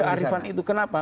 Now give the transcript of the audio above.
ada kearifan itu kenapa